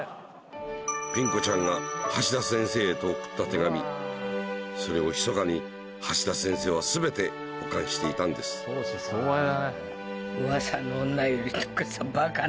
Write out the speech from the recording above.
ピン子ちゃんが橋田先生へと送った手紙それをひそかに橋田先生は全て保管していたんですいや。